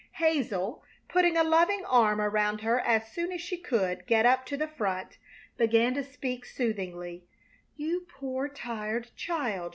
Hazel, putting a loving arm around her as soon as she could get up to the front, began to speak soothingly: "You poor, tired child!"